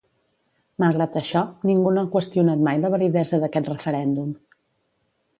Malgrat això, ningú no ha qüestionat mai la validesa d’aquest referèndum.